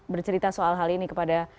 bercerita soal hal ini kepada